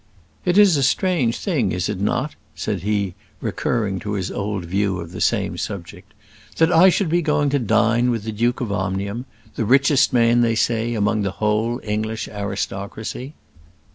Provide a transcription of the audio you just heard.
"It is a strange thing, is it not," said he, recurring to his old view of the same subject, "that I should be going to dine with the Duke of Omnium the richest man, they say, among the whole English aristocracy?"